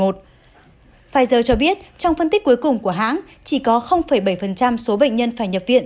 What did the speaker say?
pfizer cho biết trong phân tích cuối cùng của hãng chỉ có bảy số bệnh nhân phải nhập viện